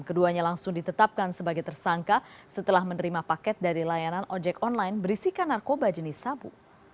keduanya langsung ditetapkan sebagai tersangka setelah menerima paket dari layanan ojek online berisikan narkoba jenis sabu